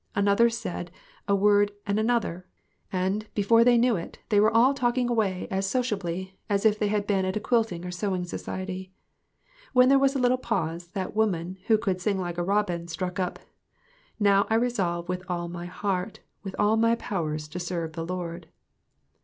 Another said a word, and another ; and, before they knew it, they were all talking away as socia bly as if they'd been at a quilting or sewing society. When there was a little pause, that woman, who could sing like a robin, struck up " Now I resolve, with all my heart, With all my powers, to serve the Lord."